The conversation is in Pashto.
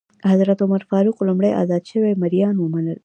حضرت عمر فاروق لومړی ازاد شوي مریان ومنل.